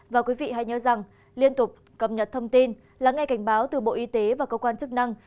và quý vị hãy nhớ rằng liên tục cập nhật thông tin lắng nghe cảnh báo từ bộ y tế và cơ quan chức năng